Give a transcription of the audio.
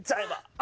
あ